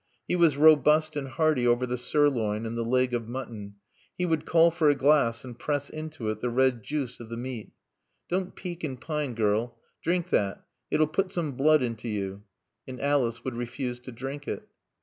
He was robust and hearty over the sirloin and the leg of mutton. He would call for a glass and press into it the red juice of the meat. "Don't peak and pine, girl. Drink that. It'll put some blood into you." And Alice would refuse to drink it.